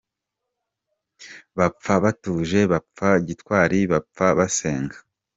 Bapfa batuje, bapfa gitwari, bapfa basenga